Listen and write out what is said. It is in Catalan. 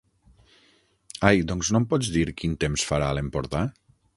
Ai doncs no em pots dir quin temps farà a l'Empordà?